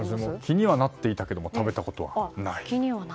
気にはなっていたけど食べたことはない。